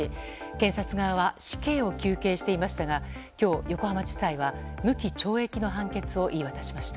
検察側は死刑を求刑していましたが今日、横浜地裁は無期懲役の判決を言い渡しました。